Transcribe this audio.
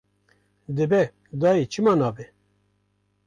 Dibe, dayê, çima nabe